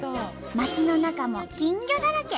町の中も金魚だらけ！